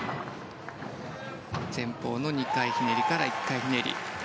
前方の２回ひねりから１回ひねり。